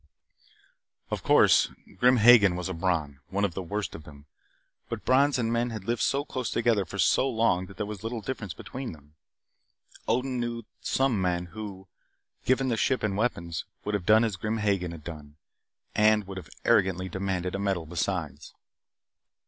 Of course, Grim Hagen was a Bron one of the worst of them. But Brons and men had lived so close together for so long that there was little difference between them. Odin knew some men who, given the ship and the weapons, would have done as Grim Hagen had done. And would have arrogantly demanded a medal, besides.